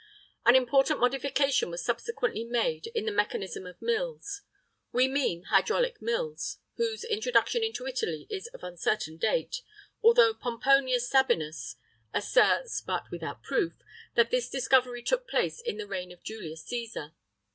[III 30] An important modification was subsequently made in the mechanism of mills: we mean hydraulic mills, whose introduction into Italy is of uncertain date, although Pomponius Sabinus asserts (but without proof), that this discovery took place in the reign of Julius Cæsar.